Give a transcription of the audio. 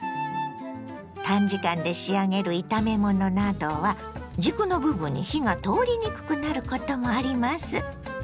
短時間で仕上げる炒め物などは軸の部分に火が通りにくくなることもあります。